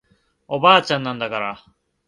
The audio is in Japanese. おばあちゃんなんだから